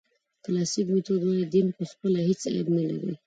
کلاسیک میتود وایي دین پخپله هېڅ عیب نه لري.